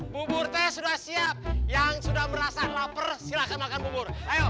bubur teh sudah siap yang sudah merasa lapar silahkan makan bubur ayo